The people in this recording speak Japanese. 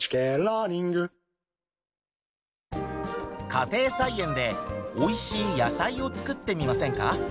家庭菜園でおいしいやさいをつくってみませんか？